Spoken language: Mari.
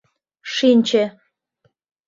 Шинче.